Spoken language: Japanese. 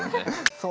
そう。